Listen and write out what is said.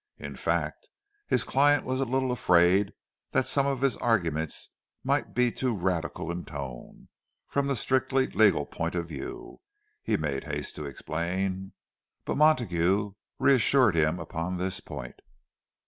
In fact, his client was a little afraid that some of his arguments might be too radical in tone—from the strictly legal point of view, he made haste to explain. But Montague reassured him upon this point.